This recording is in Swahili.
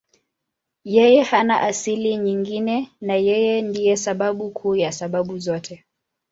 Yeye hana asili nyingine na Yeye ndiye sababu kuu ya sababu zote.